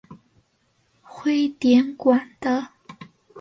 徽典馆的。